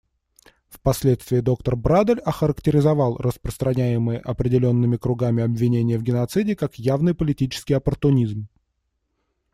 Впоследствии доктор Брадоль охарактеризовал распространяемые определенными кругами обвинения в геноциде как «явный политический оппортунизм».